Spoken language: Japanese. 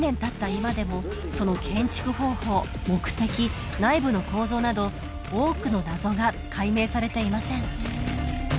今でもその建築方法目的内部の構造など多くの謎が解明されていません